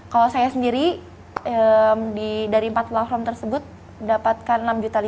kalau saya sendiri dari empat platform tersebut dapatkan enam lima ratus